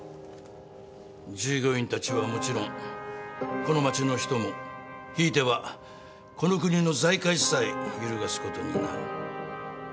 従業員たちはもちろんこの街の人もひいてはこの国の財界さえ揺るがすことになる。